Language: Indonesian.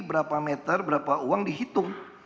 berapa meter berapa uang dihitung